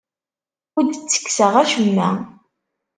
Ur d-ttekkseɣ acemma.